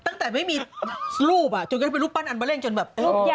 ตั้งแต่ไม่มีรูปจนก่อนก็เป็นรูปปั้นอัลเบอร์เล่นจนแบบ